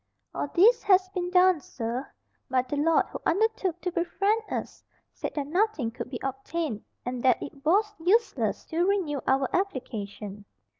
"All this has been done, sir; but the lord who undertook to befriend us, said that nothing could be obtained, and that it was useless to renew our application."